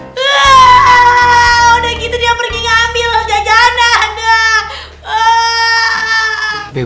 udah gitu dia pergi ngambil jajanan dah